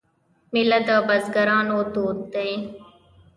میله د بزګرانو دود دی.